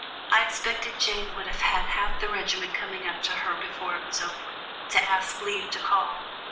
I expected Jane would have had half the regiment coming up to her before it was over, to ask leave to call."